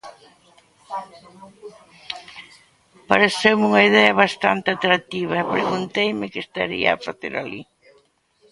Pareceume unha idea bastante atractiva e pregunteime que estaría a facer alí.